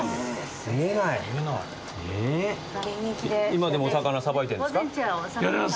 今でもお魚さばいてんですか？